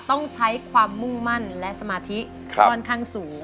ต้องใช้ความมุ่งมั่นและสมาธิค่อนข้างสูง